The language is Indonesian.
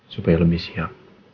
supaya lebih siap